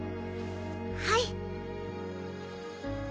はい。